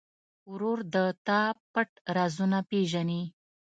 ورور د تا پټ رازونه پېژني.